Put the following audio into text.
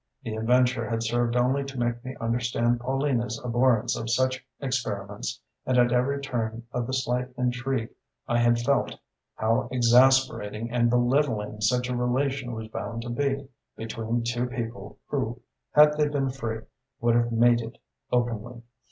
The adventure had served only to make me understand Paulina's abhorrence of such experiments, and at every turn of the slight intrigue I had felt how exasperating and belittling such a relation was bound to be between two people who, had they been free, would have mated openly.